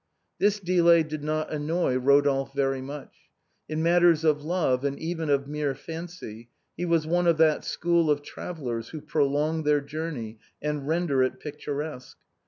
This delay did not annoy Eodolphe very much. In mat ters of love, and even of mere fancy, he was one of that school of travellers who prolong their journey and render it picturesque.